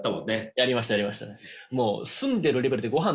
やりましたやりました。